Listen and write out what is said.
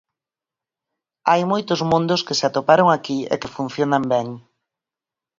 Hai moitos mundos que se atoparon aquí e que funcionan ben.